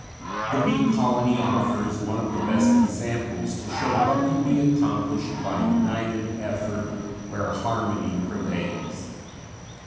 ] The bee colony offers one of the best examples to show what can be accomplished by united effort where harmony prevails.